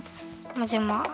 まぜます。